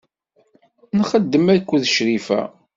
Nxeddem akked Crifa.